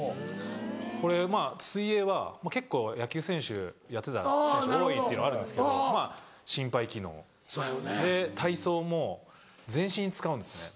これまぁ水泳は結構野球選手やってた人たち多いっていうのあるんですけどまぁ心肺機能。で体操も全身使うんですね。